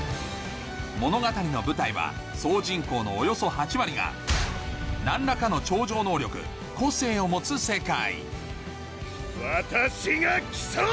物語の舞台は総人口のおよそ８割が何らかの超常能力「個性」を持つ世界私が来た！